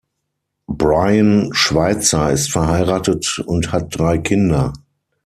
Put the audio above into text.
Brian Schweitzer ist verheiratet und hat drei Kinder.